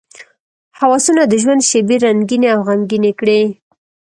هوسونه د ژوند شېبې رنګینې او غمګینې کړي.